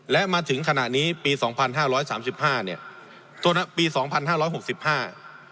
และมาถึงขณะนี้ปีสองพันห้าร้อยสามสิบห้าเนี้ยจนปีสองพันห้าร้อยหกสิบห้า